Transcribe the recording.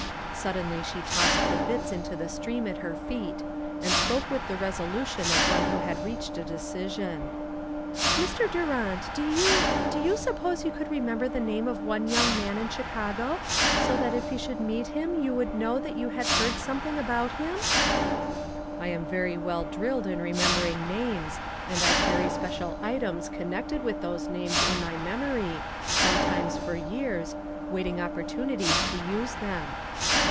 Suddenly she tossed the bits into the stream at her feet, and spoke with the resolution of one who had reached a decision. "Mr. Durant, do you — do you suppose you could remember the name of one young man in Chicago, so that if you should meet him you would know that you had heard something about him?" SEVERAL STARTLING POINTS. I2Q "I am very well drilled in remembering names, and I carry special items connected wkh those names in my memory, some times for years, waiting opportunities to use them."